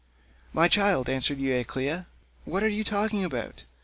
"My child," answered Euryclea, "what are you talking about?